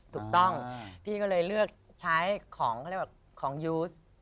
ถูกต้องพี่ก็เลยเลือกใช้ของยูส